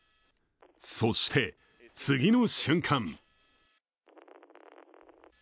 そして、次の瞬間。